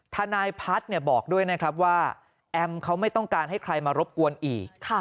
ทนายพัฒน์บอกด้วยนะครับว่าแอมเขาไม่ต้องการให้ใครมารบกวนอีก